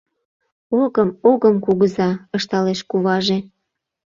— Огым-огым, кугыза, — ышталеш куваже.